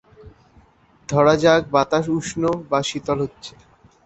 ধরা যাক বাতাস উষ্ণ বা শীতল হচ্ছে।